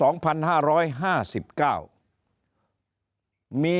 มีเหตุการณ์